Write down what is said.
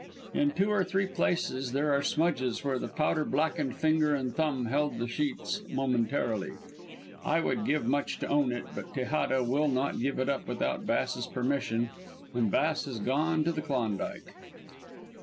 In two or three places there are smudges where the powder blackened finger and thumb held the sheets momentarily. I would give much to own it, but Tejada will not give it up without Bass's permission, and Bass has gone to the Klondike.